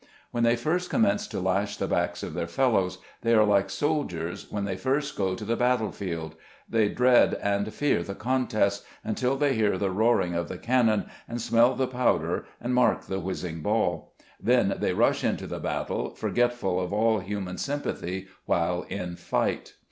When they first commence to lash the backs of their fellows, they are like soldiers when they first go to the battle field; they dread and fear the contest, until they hear the roaring of the cannon, and smell the pow der, and mark the whizzing ball ; then they rush into the battle, forgetful of all human sympathy while in fight.